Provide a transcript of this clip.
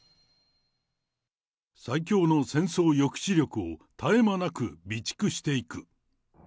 最強の戦争抑止力を絶え間なく備蓄していく。